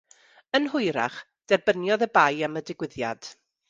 Yn hwyrach, derbyniodd y bai am y digwyddiad.